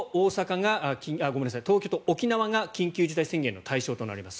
東京と沖縄が緊急事態宣言の対象となります。